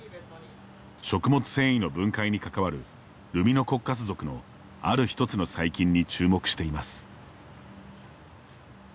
食物繊維の分解に関わるルミノコッカス属のある１つの細菌に注目しています。